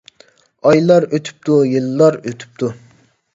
ئايلار ئۆتۈپتۇ، يىللار ئۆتۈپتۇ.